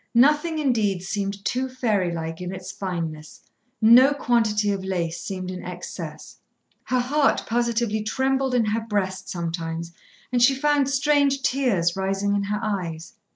Nothing indeed seemed too fairy like in its fineness, no quantity of lace seemed in excess. Her heart positively trembled in her breast sometimes, and she found strange tears rising in her eyes.